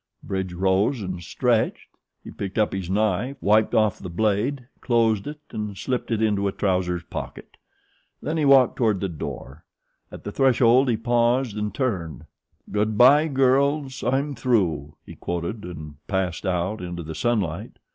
Bridge rose and stretched. He picked up his knife, wiped off the blade, closed it and slipped it into a trousers' pocket. Then he walked toward the door. At the threshold he paused and turned. "'Good bye girls! I'm through,'" he quoted and passed out into the sunlight.